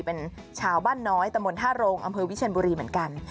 เป็นชาวบ้านน้อยตะมนท่าโรงอำเภอวิเชียนบุรีเหมือนกัน